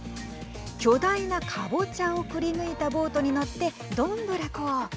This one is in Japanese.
巨大な、かぼちゃをくり抜いたボートに乗って、どんぶらこ。